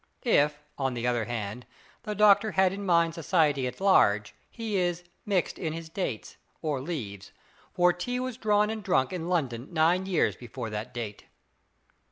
If, on the other hand, the Doctor had in mind society at large, he is "mixed in his dates," or leaves, for tea was drawn and drunk in London nine years before that date.